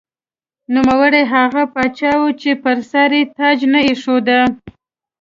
نوموړی هغه پاچا و چې پر سر یې تاج نه ایښوده.